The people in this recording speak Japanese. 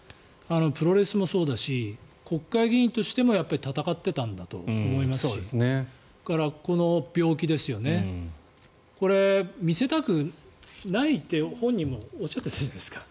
プロレスもそうだし国会議員としても戦っていたんだと思いますしそれから、この病気ですよねこれ、見せたくないって本人もおっしゃってたじゃないですか。